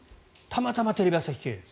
たまたまテレビ朝日系列。